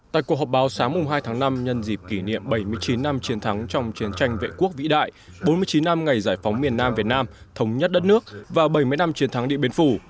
tại cuộc họp báo sáng hai tháng năm nhân dịp kỷ niệm bảy mươi chín năm chiến thắng trong chiến tranh vệ quốc vĩ đại bốn mươi chín năm ngày giải phóng miền nam việt nam thống nhất đất nước và bảy mươi năm chiến thắng địa biên phủ